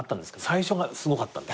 最初がすごかったんです。